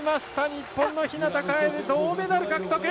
日本の日向楓、銅メダル獲得！